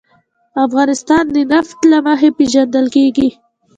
افغانستان د نفت له مخې پېژندل کېږي.